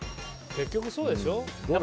結局そうでしょ。